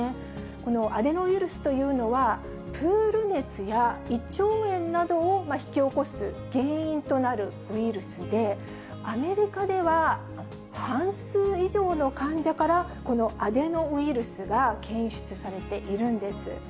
このアデノウイルスというのは、プール熱や胃腸炎などを引き起こす原因となるウイルスで、アメリカでは半数以上の患者から、このアデノウイルスが検出されているんです。